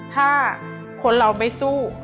ถ้าคนเราไม่สู้